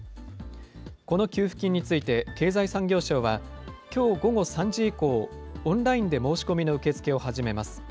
この給付金について、経済産業省は、きょう午後３時以降、オンラインで申し込みの受け付けを始めます。